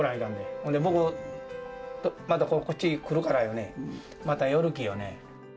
ほんで僕、またこっち来るからやね、また寄るきやね。